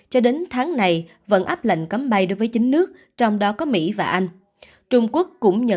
cho đến tháng này vẫn áp lệnh cấm bay đối với chính nước trong đó có mỹ và anh